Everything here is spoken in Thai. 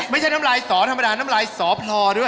ไม่ใช่น้ำลายสอธรรมดาน้ำลายสอพลอด้วย